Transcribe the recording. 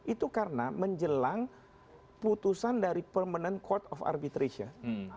itu karena menjelang putusan dari permanent court of arbitration